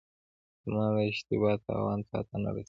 زما د اشتبا تاوان تاته نه رسي.